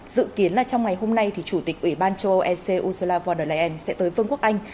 dự kiến là trong ngày hôm nay chủ tịch ủy ban châu âu ec ursula von der leyen sẽ tới vương quốc anh